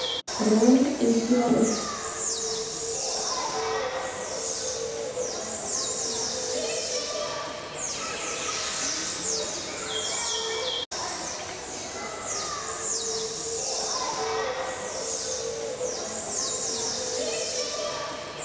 Dịka Anambra na-eme ọgbụgbà ahọ iri atọ ya taa